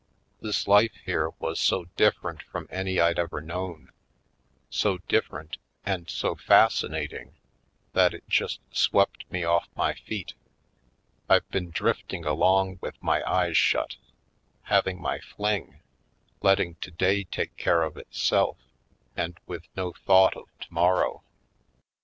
This life here was so different from any I'd ever known — so different and so fascinating — that it just swept me off my feet. I've been drifting along with my eyes shut, having my fling, letting today take care of itself and with no thought of tomorrow.